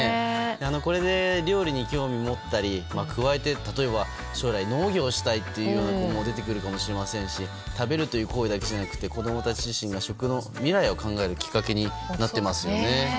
これで料理に興味を持ったり加えて、例えば将来、農業をしたいという子供も出てくるかもしれませんし食べるという行為だけではなくて子供たち自身が食の未来を考えるきっかけになっていますよね。